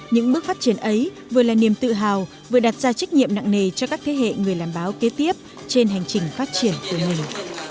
những bước phát triển ấy vừa là niềm tự hào vừa đặt ra trách nhiệm nặng nề cho các thế hệ người làm báo kế tiếp trên hành trình phát triển của mình